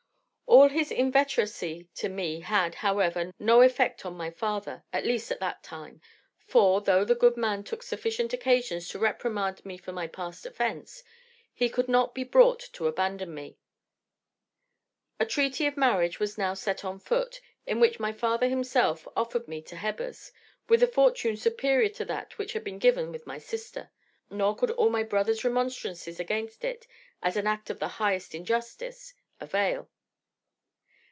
"All his inveteracy to me had, however, no effect on my father, at least at that time; for, though the good man took sufficient occasions to reprimand me for my past offence, he could not be brought to abandon me. A treaty of marriage was now set on foot, in which my father himself offered me to Hebbers, with a fortune superior to that which had been given with my sister; nor could all my brother's remonstrances against it, as an act of the highest injustice, avail.